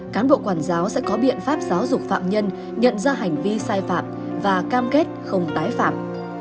cán bộ quản giáo sẽ có biện pháp giáo dục phạm nhân nhận ra hành vi sai phạm và cam kết không tái phạm